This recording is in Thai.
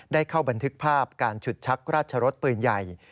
ได้เข้าบันทึกภาพการฉุดชักราชรสปืนใหญ่